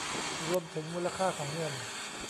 รวมถึงมูลค่าของเงิน